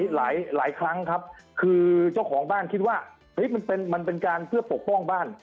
หลายครั้งครับคือเจ้าของบ้านคิดว่ามันเป็นการเพื่อปกป้องบ้าน